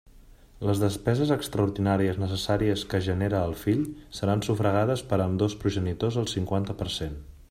Les despeses extraordinàries necessàries que genere el fill seran sufragades per ambdós progenitors al cinquanta per cent.